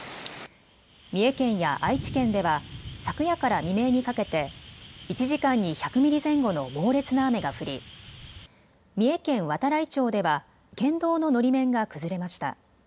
三重県や愛知県では昨夜から未明にかけて１時間に１００ミリ前後の猛烈な雨が降り、三重県度会町では県道ののり面が崩れました。